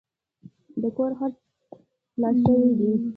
د کور خرڅ خلاص شوی دی.